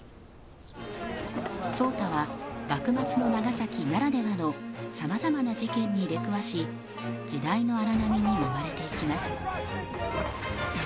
壮多は幕末の長崎ならではのさまざまな事件に出くわし時代の荒波にもまれていきます。